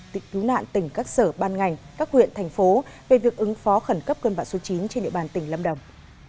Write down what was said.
tịnh cứu nạn tỉnh các sở ban ngành các huyện thành phố về việc ứng phó khẩn cấp cơn bão số chín trên địa bàn tỉnh lâm đồng